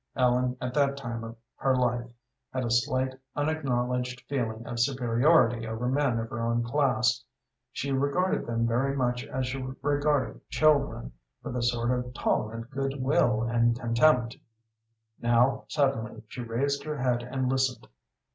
Ellen, at that time of her life, had a slight, unacknowledged feeling of superiority over men of her own class. She regarded them very much as she regarded children, with a sort of tolerant good will and contempt. Now, suddenly, she raised her head and listened.